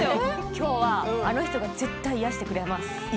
今日はあの人が絶対、癒やしてくれます。